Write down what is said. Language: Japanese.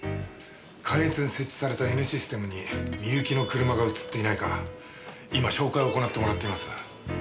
関越に設置されたＮシステムに美由紀の車が映っていないか今照会を行ってもらっています。